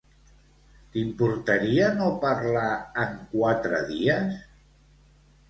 T'importaria no parlar en quatre dies?